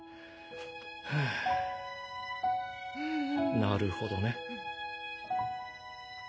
はぁなるほどね。